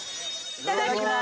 いただきます。